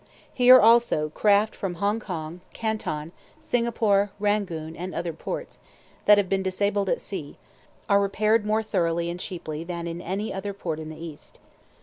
Here, also, craft from Hong Kong, Canton, Singapore, Rangoon, and other ports, that have been disabled at sea, are repaired more thoroughly and cheaply than in any other port in the East.